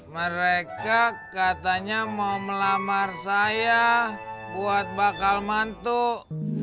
mereka katanya mau melamar saya buat bakal mantuk